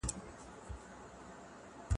ته متکبر یې خو چي تا لرم